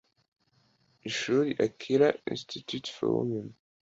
Ishuri Akilah Institute for Women